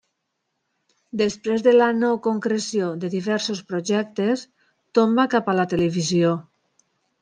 Després de la no concreció de diversos projectes, tomba cap a la televisió.